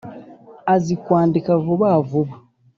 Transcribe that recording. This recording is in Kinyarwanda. Azi kwandika vuba vuba